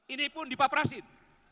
ini pun dipaprasin